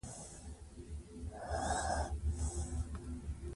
انګریزان به تېښته کوله.